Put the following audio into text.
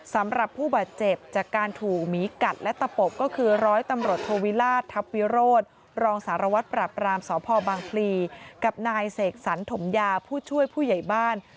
สพบางพลีกับนายเสกสรรถมยาผู้ช่วยผู้ใหญ่บ้าน